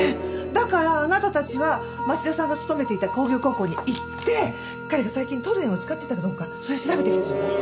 だからあなたたちは町田さんが勤めていた工業高校に行って彼が最近トルエンを使っていたかどうかそれを調べてきてちょうだい。